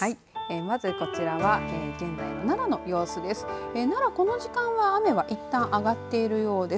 まずこちらは現在の奈良の様子です。